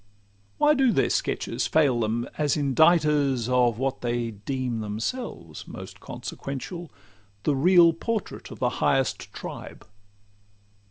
Why do their sketches fail them as inditers Of what they deem themselves most consequential, The real portrait of the highest tribe?